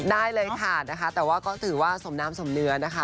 ได้เลยค่ะนะคะแต่ว่าก็ถือว่าสมน้ำสมเนื้อนะคะ